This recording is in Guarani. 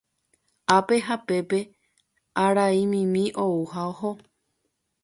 Ápe ha pépe araimimi ou ha oho.